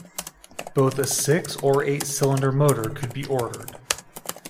Both a six or eight-cylinder motor could be ordered.